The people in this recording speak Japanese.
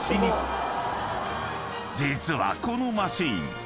［実はこのマシン］